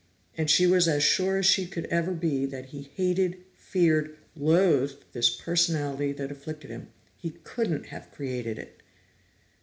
And she was as sure as she could ever be that he hated, feared, loathed this personality that afflicted him; he couldn't have created it.